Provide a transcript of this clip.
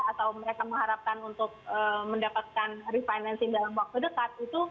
atau mereka mengharapkan untuk mendapatkan refinancing dalam waktu dekat